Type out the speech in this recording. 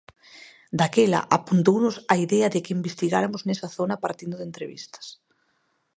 Daquela, apuntounos a idea de que investigaramos nesa zona partindo de entrevistas.